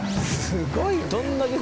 すごいね。